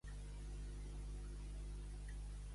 Pagar la vella i la novella.